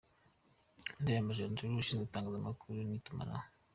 Ndayambaje Andrew: Ushinzwe Itangazamakuru n’Itumanaho.